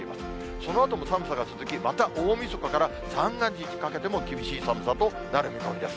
そのあとも寒さが続き、また大みそかから、三が日にかけても厳しい寒さとなる見込みです。